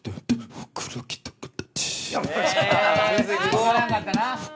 分からんかったな。